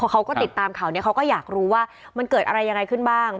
เขาก็ติดตามข่าวนี้เขาก็อยากรู้ว่ามันเกิดอะไรยังไงขึ้นบ้าง